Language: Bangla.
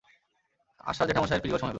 আশার জেঠামশায়ের ফিরিবার সময় হইল।